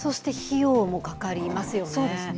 そうですね。